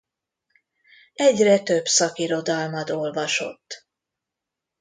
Egyre több szakirodalmat olvasott.